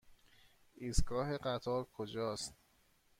ایستگاه قطار کجاست؟